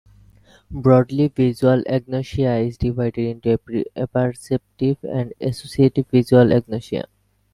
Broadly, visual agnosia is divided into apperceptive and associative visual agnosia.